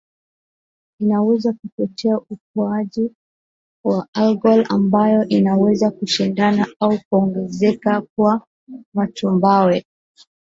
Inaweza kuchochea ukuaji wa algal ambayo inaweza kushindana au kuongezeka kwa matumbawe